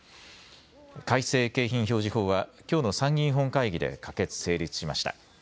改正景品表示法はきょうの参議院本会議で可決・成立しました。